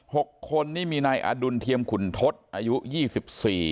หกคนนี่มีนายอดุลเทียมขุนทศอายุยี่สิบสี่